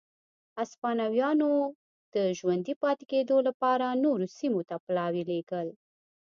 هسپانویانو د ژوندي پاتې کېدو لپاره نورو سیمو ته پلاوي لېږل.